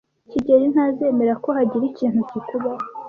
kigeli ntazemera ko hagira ikintu kikubaho.